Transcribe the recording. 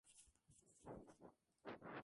En el municipio el clima es semiseco semicálido.